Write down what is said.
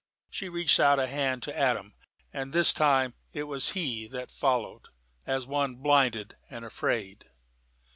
She reached out a hand to Adam: and this time it was he that followed, as one blinded and afraid.